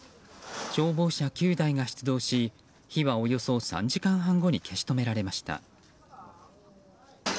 消防車９台が出動し火はおよそ３時間半後に消し止められました。